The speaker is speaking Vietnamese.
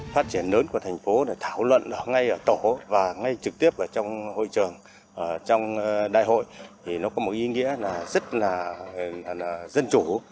phát triển lớn của thành phố để thảo luận ở ngay ở tổ và ngay trực tiếp trong hội trường trong đại hội thì nó có một ý nghĩa là rất là dân chủ